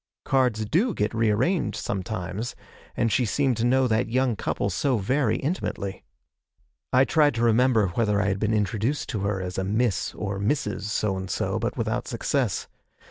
Cards do get re arranged sometimes, and she seemed to know that young couple so very intimately. I tried to remember whether I had been introduced to her as a Miss or Mrs. So and so, but without success.